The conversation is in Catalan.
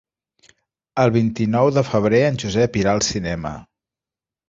El vint-i-nou de febrer en Josep irà al cinema.